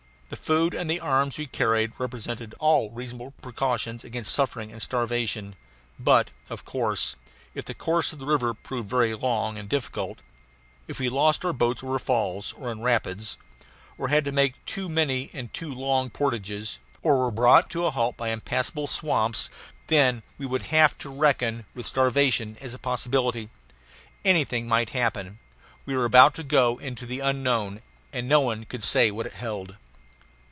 The food and the arms we carried represented all reasonable precautions against suffering and starvation; but, of course, if the course of the river proved very long and difficult, if we lost our boats over falls or in rapids, or had to make too many and too long portages, or were brought to a halt by impassable swamps, then we would have to reckon with starvation as a possibility. Anything might happen. We were about to go into the unknown, and no one could say what it held.